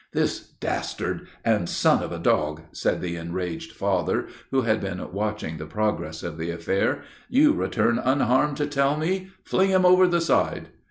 "This, dastard, and son of a dog!" said the enraged father, who had been watching the progress of the affair, "you return unharmed to tell me! Fling him over the side!"